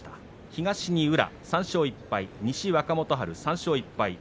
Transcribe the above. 東に宇良、３勝１敗西、若元春３勝１敗。